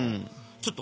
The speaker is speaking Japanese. ちょっと。